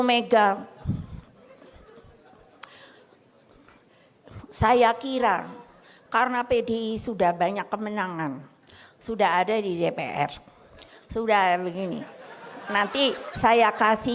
mega saya kira karena pdi sudah banyak kemenangan sudah ada di dpr sudah begini nanti saya kasih